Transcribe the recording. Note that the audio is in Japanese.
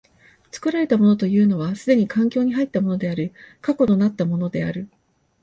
作られたものというのは既に環境に入ったものである、過去となったものである。